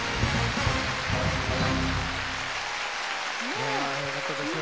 いやよかったですね。